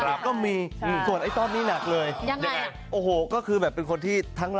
น้องกระดาษอีกท่านหนึ่งก็คือด้านนั้น